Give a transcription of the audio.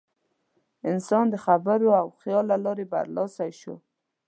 انسان د خبرو او خیال له لارې برلاسی شو.